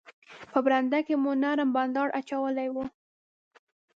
په برنډه کې مو نرم بانډار اچولی وو.